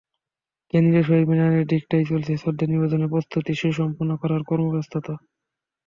কেন্দ্রীয় শহীদ মিনারের দিকটায় চলছে শ্রদ্ধা নিবেদনের প্রস্তুতি সুসম্পন্ন করার কর্মব্যস্ততা।